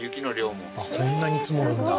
こんなに積もるんだ